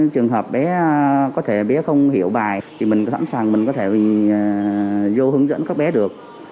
trường hợp bé có thể bé không hiểu bài thì mình sẵn sàng mình có thể mình vô hướng dẫn các bé được